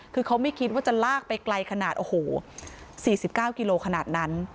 คือเขาไม่คิดว่าจะลากไปไกลขนาดโอ้โห๔๙กิโลขนาดนั้น